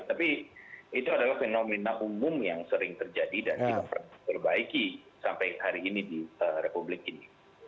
tapi itu adalah fenomena umum yang sering terjadi dan tidak pernah diperbaiki sampai hari ini di republik ini